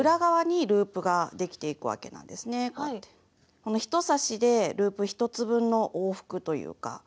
この１刺しでループ１つ分の往復というか。